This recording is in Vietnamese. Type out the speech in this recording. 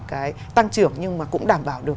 cái tăng trưởng nhưng mà cũng đảm bảo được